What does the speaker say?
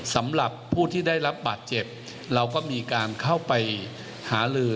สำหรับผู้ที่ได้รับบาดเจ็บเราก็มีการเข้าไปหาลือ